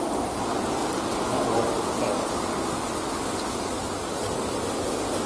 Não gosto de salada